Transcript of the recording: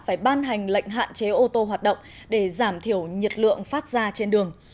phải ban hành lệnh hạn chế ô tô hoạt động để giảm thiểu nhiệt lượng phát ra trên đường